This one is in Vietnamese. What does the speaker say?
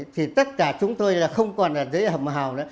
thì tất cả chúng tôi không còn là dưới hầm hào nữa